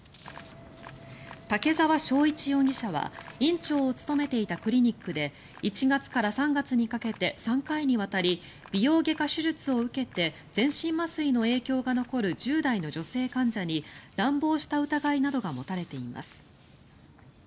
竹澤章一容疑者は院長を務めていたクリニックで１月から３月にかけて３回にわたり美容外科手術を受けて全身麻酔の影響が残る１０代の女性患者に乱暴した疑いなどが持たれています。